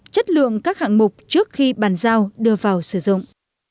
chất lượng các hạng mục trước khi bàn giao đưa vào sử dụng